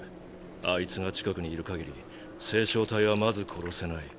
あいつが近くにいるかぎり星漿体はまず殺せない。